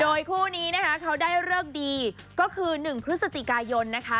โดยคู่นี้นะคะเขาได้เลิกดีก็คือ๑พฤศจิกายนนะคะ